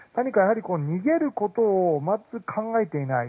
逃げることを全く考えていない。